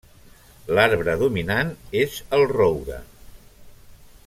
L'arbre dominant és el roure.